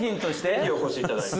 ぜひお越しいただいて。